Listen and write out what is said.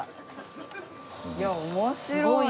いや面白い！